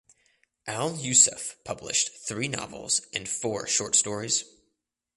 Al Yousuf published three novels and four short stories.